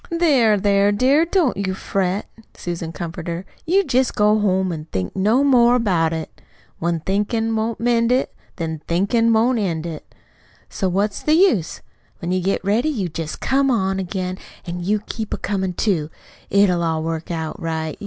"There, there, dear, don't you fret," Susan comforted her. "You jest go home and think no more about it. When thinkin' won't mend it, Then thinkin' won't end it. So what's the use? When you get ready, you jest come again; an' you keep a comin', too. It'll all work out right.